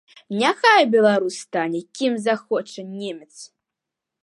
Няхай беларус стане, кім захоча немец.